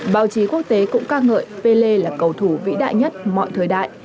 báo chí quốc tế cũng ca ngợi pelle là cầu thủ vĩ đại nhất mọi thời đại